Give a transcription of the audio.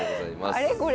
あれこれ